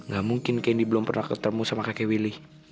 gak mungkin kendi belum pernah ketemu sama kakek willy